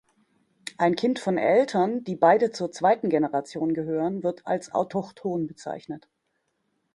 Ein Kind von Eltern, die beide zur zweiten Generation gehören, wird als autochthon bezeichnet.